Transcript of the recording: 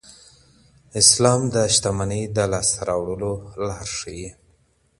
اسلام د شتمنۍ د لاسته راوړلو لار ښيي.